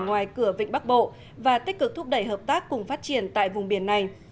ngoài cửa vịnh bắc bộ và tích cực thúc đẩy hợp tác cùng phát triển tại vùng biển này